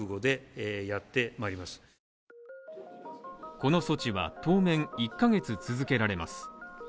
この措置は当面１ヶ月続けられます。